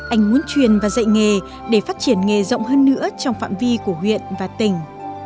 anh muốn truyền và dạy nghề để phát triển nghề rộng hơn nữa trong phạm vi của huyện và tỉnh